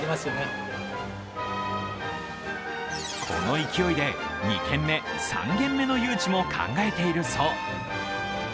この勢いで２軒目、３軒目の誘致も考えているそう。